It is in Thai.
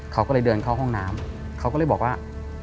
เขาก็เลยเดินเข้าห้องน้ำเขาก็เลยบอกว่า